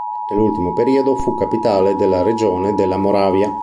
Nell'ultimo periodo fu capitale della regione della Moravia.